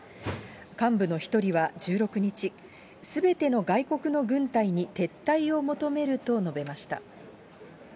幹部の一人は１６日、すべての外国の軍隊に撤退を求めると述べました。